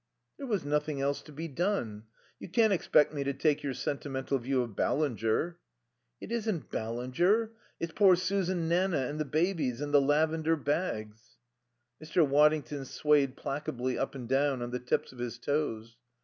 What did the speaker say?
"There was nothing else to be done. You can't expect me to take your sentimental, view of Ballinger." "It isn't Ballinger. It's poor Susan Nanna and the babies, and the lavender bags." Mr. Waddington swayed placably up and down on the tips of his toes.